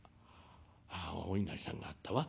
あお稲荷さんがあったわ。